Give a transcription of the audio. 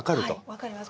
分かります。